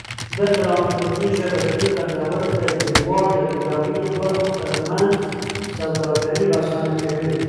د ترانسپورتي شبکې غځول د هېواد د بېلابېلو برخو تر منځ سوداګري اسانه کوي.